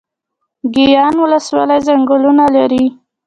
ګیان ولسوالۍ ځنګلونه لري؟